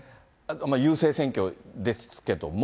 郵政選挙ですけども。